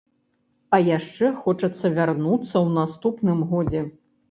А яшчэ хочацца вярнуцца ў наступным годзе.